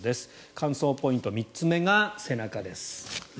乾燥ポイント３つ目が背中です。